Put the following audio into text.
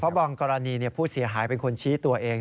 เพราะบางกรณีเนี่ยผู้เสียหายเป็นคนชี้ตัวเอง